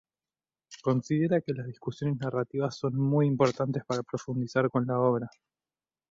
Considera que las discusiones narrativas son muy importantes para profundizar con la obra.